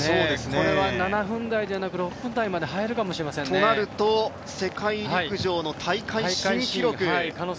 これは７分台じゃなく、６分台まで入るかもしれないですねとなると世界陸上の大会新記録。